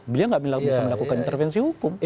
beliau tidak bisa melakukan intervensi hukum